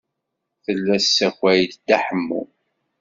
Tella tessakay-d Dda Ḥemmu.